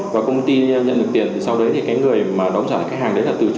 và công ty sẽ gửi hàng cho cộng tác viên